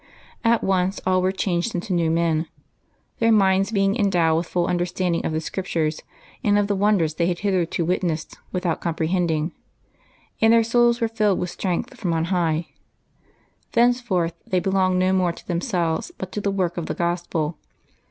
At once all were changed into new men, their minds being endowed with full understanding of the Scriptures and of the wonders they had hitherto witnessed without compre hending, and their souls were filled with strength from on high; thenceforth they belonged no more to themselves, but to the work of the Gospel.